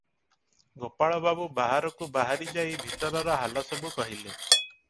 ଗୋପାଳବାବୁ ବାହାରକୁ ବାହାରି ଯାଇ ଭିତରର ହାଲ ସବୁ କହିଲେ ।